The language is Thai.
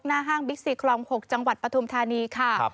ห้างบิ๊กซีคลอง๖จังหวัดปฐุมธานีค่ะ